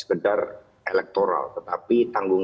yakinan ini kan tidak diperoleh dengan survei